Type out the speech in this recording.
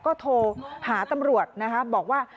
ก็โทรหาตำรวจนะคะบอกว่า